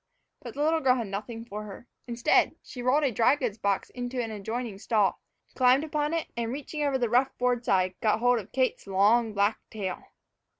But the little girl had nothing for her. Instead, she rolled a dry goods box into an adjoining stall, climbed upon it, and, reaching over the rough board side, got hold of Kate's long black tail.